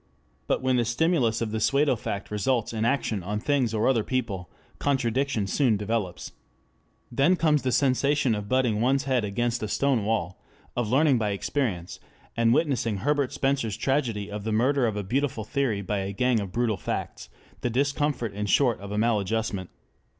But when the stimulus of the pseudo fact results in action on things or other people, contradiction soon develops. Then comes the sensation of butting one's head against a stone wall, of learning by experience, and witnessing Herbert Spencer's tragedy of the murder of a Beautiful Theory by a Gang of Brutal Facts, the discomfort in short of a maladjustment.